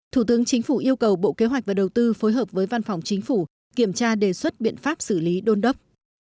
thủ tướng chính phủ yêu cầu bộ kế hoạch và đầu tư phối hợp với văn phòng chính phủ kiểm tra đề xuất biện pháp xử lý đôn đốc